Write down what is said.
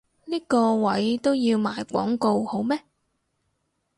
呢個位都要賣廣告好咩？